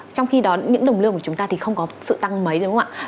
trong khi đó những đồng lương của chúng ta thì không có sự tăng mấy đúng không ạ